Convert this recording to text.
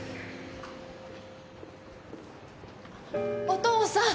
お父さん！